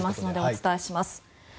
お伝えします。